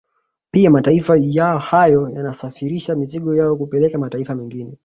Pia mataifa hayo yanasafirisha mizigo yao kupeleka mataifa mengine